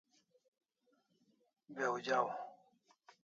Be'w jaw